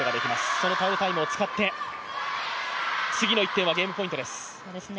そのタオルタイムを使って、次の１点はゲームポイントです。